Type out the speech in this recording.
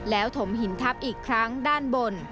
แล้วถมหินทับอีกครั้งด้านบน